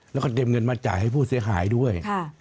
แล้วก็เตรียมเงินมาจ่ายให้ผู้เสียหายด้วย